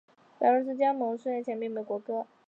白俄罗斯加盟苏联前时并没有国歌。